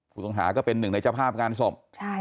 ผู้ต้องหาก็เป็นหนึ่งในเจ้าภาพงานศพ